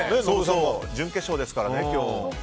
準決勝ですからね、今日。